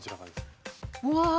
うわ。